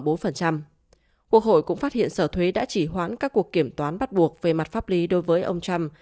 quốc hội cũng phát hiện sở thuế đã chỉ hoãn các cuộc kiểm toán bắt buộc về mặt pháp lý đối với ông trump